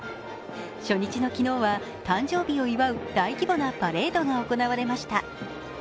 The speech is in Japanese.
初日の昨日は誕生日を祝う大規模なパレードが行われました。